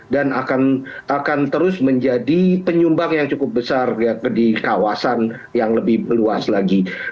dan akan terus menjadi penyumbang yang cukup besar di kawasan yang lebih luas lagi